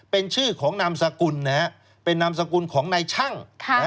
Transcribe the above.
เป็นชื่อของนามสกุลเป็นนามสกุลของนายช่าง